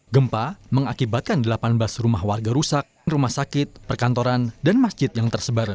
gempa mengakibatkan delapan belas rumah warga rusak rumah sakit perkantoran dan masjid yang tersebar